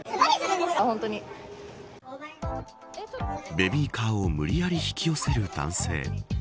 ベビーカーを無理やり引き寄せる男性。